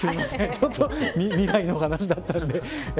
ちょっと未来の話だったんで。